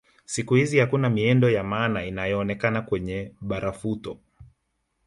Siku hizi hakuna miendo ya maana inayoonekana kwenye barafuto